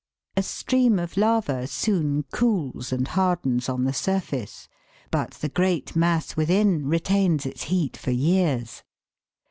87 A stream of lava soon cools and hardens on the surface, but the great mass within retains its heat for years.